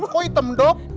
kok hitam dok